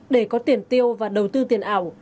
để có tiền tiêu và đầu tư tiền ảo